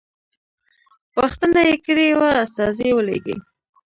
غوښتنه یې کړې وه استازی ولېږي.